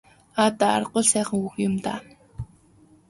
Аа даа аргагүй л сайхан хүүхэн юм даа.